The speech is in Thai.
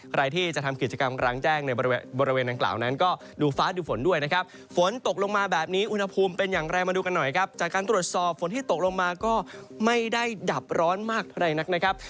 ใครที่จะทำกิจกรรมกลางแจ้งในบริเวณดังกล่าวนั้นก็ดูฟ้าดูฝนด้วยนะครับฝนตกลงมาแบบนี้อุณหภูมิเป็นอย่างไรมาดูกันหน่อยครับจากการตรวจสอบฝนที่ตกลงมาก็ไม่ได้ดับร้อนมากใครนักนะครับ